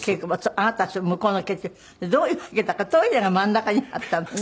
あなた向こうの。どういうわけだかトイレが真ん中にあったのね。